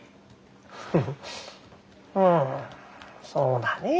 うんそうだねぇ。